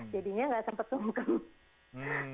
jadinya nggak sempat kemukam